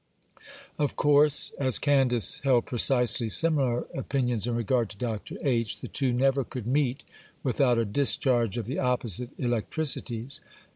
Of course, as Candace held precisely similar opinions in regard to Dr. H., the two never could meet without a discharge of the opposite electricities.